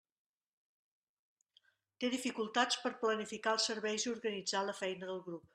Té dificultats per planificar els serveis i organitzar la feina del grup.